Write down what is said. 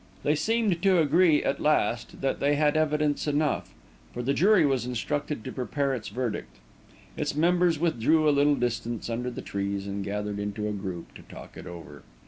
They seemed to agree, at last, that they had evidence enough, for the jury was instructed to prepare its verdict. Its members withdrew a little distance under the trees, and gathered into a group to talk it over.